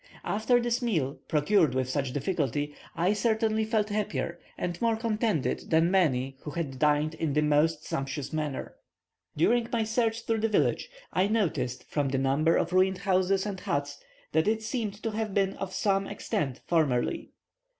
After this meal, procured with such difficulty, I certainly felt happier, and more contented than many who had dined in the most sumptuous manner. During my search through the village, I noticed, from the number of ruined houses and huts, that it seemed to have been of some extent formerly.